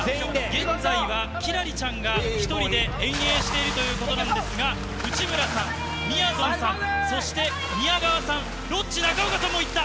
現在は輝星ちゃんが１人で遠泳してるということなんですが、内村さん、みやぞんさん、そして宮川さん、ロッチ・中岡さんもいった。